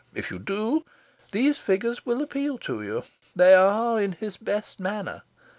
If you do, these figures will appeal to you: they are in his best manner.